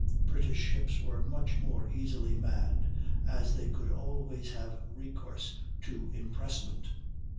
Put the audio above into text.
British ships were much more easily manned, as they could always have recourse to impressment.